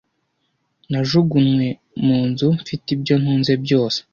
Najugunywe mu nzu mfite ibyo ntunze byose.